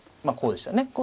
まあこうでしたね。